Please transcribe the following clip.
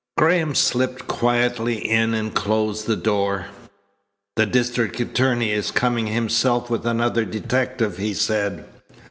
Graham slipped quietly in and closed the door. "The district attorney is coming himself with another detective," he said.